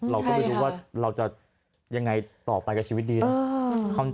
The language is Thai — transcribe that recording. เราก็ไม่รู้ว่าเราจะยังไงต่อไปกับชีวิตดีนะ